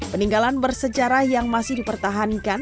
peninggalan bersejarah yang masih dipertahankan